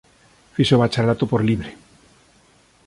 Fixo o bacharelato por libre.